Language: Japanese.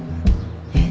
えっ？